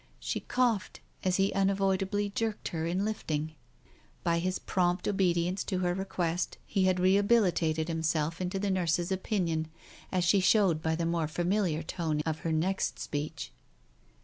She coughed as he unavoidably jerked her in lifting. By his prompt obedience to her request, he had rehabil Digitized by Google THE TIGER SKIN 299 itated himself in the nurse's opinion, as she showed by the more familiar tone of her next speech.